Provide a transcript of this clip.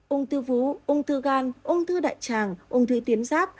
ung thư vú ung thư gan ung thư đại tràng ung thư tuyến giáp